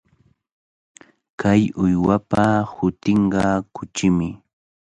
Kay uywapa hutinqa kuchimi.